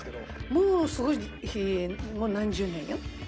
もうすごい何十年よ。